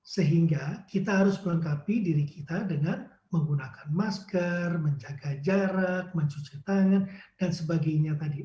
sehingga kita harus melengkapi diri kita dengan menggunakan masker menjaga jarak mencuci tangan dan sebagainya tadi